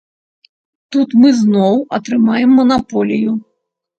Тут мы зноў атрымаем манаполію.